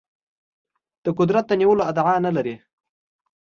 د قدرت د نیولو ادعا نه لري.